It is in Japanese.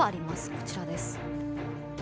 こちらです。